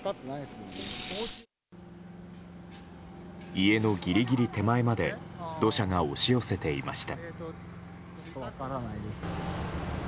家のギリギリ手前まで土砂が押し寄せていました。